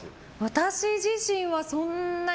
私自身はそんなに。